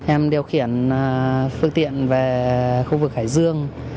em điều khiển phương tiện về khu vực hải dương